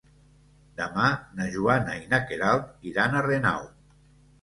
Demà na Joana i na Queralt iran a Renau.